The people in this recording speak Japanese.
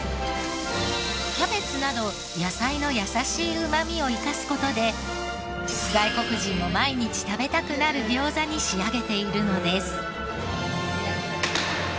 キャベツなど野菜の優しいうまみを生かす事で外国人も毎日食べたくなる餃子に仕上げているのです。